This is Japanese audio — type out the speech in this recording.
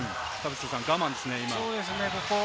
我慢ですね。